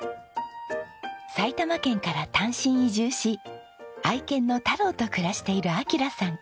埼玉県から単身移住し愛犬のタローと暮らしている暁良さん。